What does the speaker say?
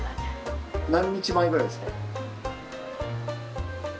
何日前ぐらいですか？